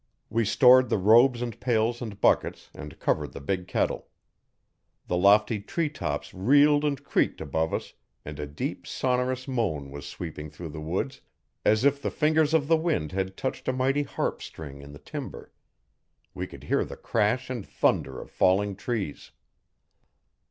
We stored the robes and pails and buckets and covered the big kettle. The lofty tree tops reeled and creaked above us, and a deep, sonorous moan was sweeping through the woods, as if the fingers of the wind had touched a mighty harp string in the timber. We could hear the crash and thunder of falling trees.